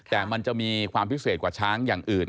แต่มันจะมีความพิเศษกว่าช้างอย่างอื่น